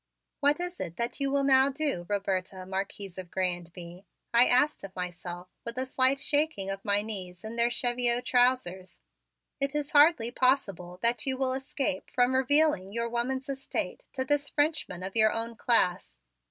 "What is it that you will now do, Roberta, Marquise of Grez and Bye?" I asked of myself with a slight shaking of my knees in their cheviot trousers. "It is hardly possible that you will escape from revealing your woman's estate to this Frenchman of your own class.